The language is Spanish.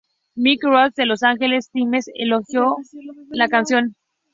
Mikael Woods de Los Angeles Times elogió la canción.